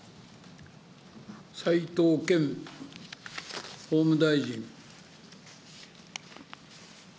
齋藤健法務大臣。